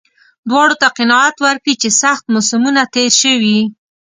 دواړو ته قناعت ورکړي چې سخت موسمونه تېر شوي.